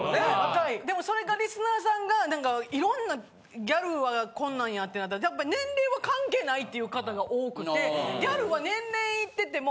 でもそれがリスナーさんがなんかいろんなギャルはこんなんやってなったらやっぱ。っていう方が多くてギャルは年齢いってても。